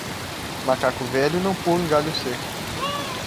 Macaco velho não pula em galho seco.